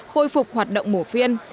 khôi phục hoạt động mổ phiên